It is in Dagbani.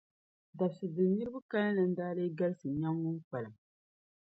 Dabsi' dini niriba kalinli n-daa lee galisi nyaŋ ŋun kpalim?